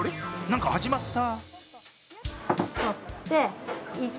何か始まった。